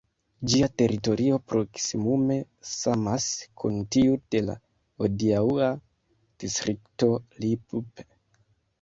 Ĝia teritorio proksimume samas kun tiu de la hodiaŭa distrikto Lippe.